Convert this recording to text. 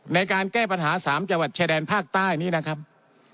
ในการแก้ปัญหา๓จังหวัดชายแดนภาคใต้นี้นะครับ